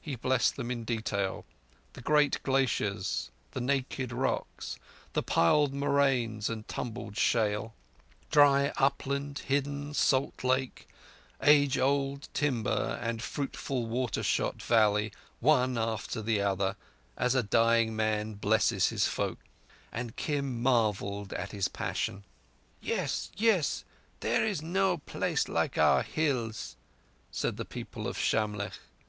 He blessed them in detail—the great glaciers, the naked rocks, the piled moraines and tumbled shale; dry upland, hidden salt lake, age old timber and fruitful water shot valley one after the other, as a dying man blesses his folk; and Kim marvelled at his passion. "Yes—yes. There is no place like our Hills," said the people of Shamlegh.